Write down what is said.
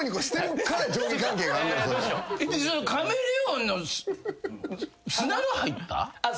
カメレオンの砂の入った？